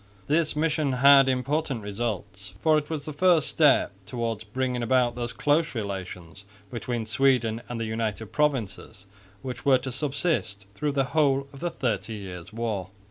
This mission had important results, for it was the first step towards bringing about those close relations between Sweden and the United Provinces which were to subsist throughout the whole of the Thirty Years' War.